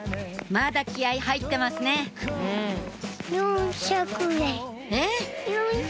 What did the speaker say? まだ気合入ってますねえっ？